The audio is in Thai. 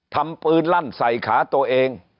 ทำปืนลั่นใส่ขาตัวเอง